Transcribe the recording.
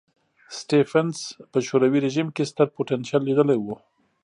سټېفنس په شوروي رژیم کې ستر پوتنشیل لیدلی و.